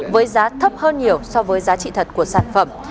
với giá thấp hơn nhiều so với giá trị thật của sản phẩm